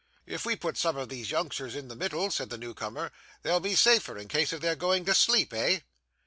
'If we put some of these youngsters in the middle,' said the new comer, 'they'll be safer in case of their going to sleep; eh?